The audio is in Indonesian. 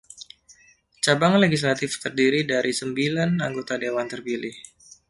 Cabang legislatif terdiri dari sembilan anggota dewan terpilih.